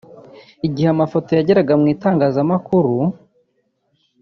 Igihe amafoto yageraga mu itangazamakuru